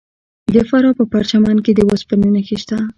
د فراه په پرچمن کې د وسپنې نښې شته.